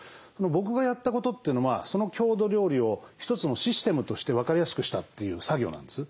僕がやったことというのはその郷土料理を一つのシステムとして分かりやすくしたという作業なんです。